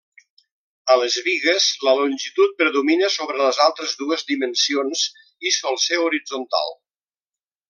A les bigues la longitud predomina sobre les altres dues dimensions i sol ser horitzontal.